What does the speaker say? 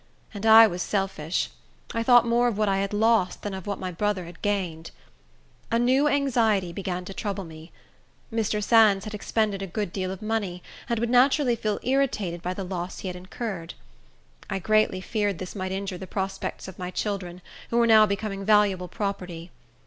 And I was selfish. I thought more of what I had lost, than of what my brother had gained. A new anxiety began to trouble me. Mr. Sands had expended a good deal of money, and would naturally feel irritated by the loss he had incurred. I greatly feared this might injure the prospects of my children, who were now becoming valuable property.